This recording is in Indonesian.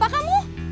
buang apa khusus